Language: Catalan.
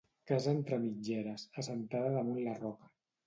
Casa entre mitgeres, assentada damunt la roca.